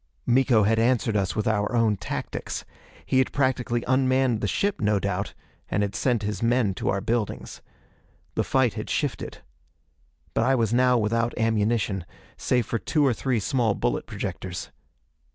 Miko had answered us with our own tactics. He had practically unmanned the ship, no doubt, and had sent his men to our buildings. The fight had shifted. But I was now without ammunition, save for two or three small bullet projectors.